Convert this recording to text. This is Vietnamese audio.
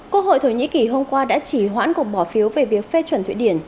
quốc hội thổ nhĩ kỳ hôm qua đã chỉ hoãn cuộc bỏ phiếu về việc phê chuẩn thụy điển